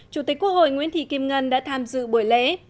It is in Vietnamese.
chủ tịch quốc hội nguyễn thị kim ngân đã tham dự buổi lễ